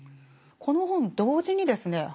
この本同時にですね